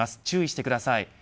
注意してください。